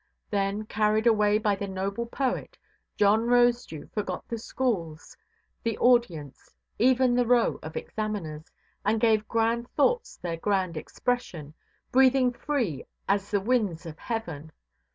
Then, carried away by the noble poet, John Rosedew forgot the schools, the audience, even the row of examiners, and gave grand thoughts their grand expression, breathing free as the winds of heaven.